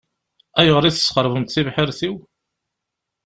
Ayɣer i tesxeṛbemt tibḥirt-iw?